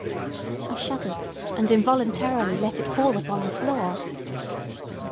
I shuddered, and involuntarily let it fall upon the floor.